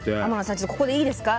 ちょっとここでいいですか？